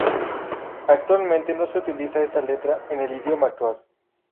Actualmente no se utiliza esta letra en el idioma actual.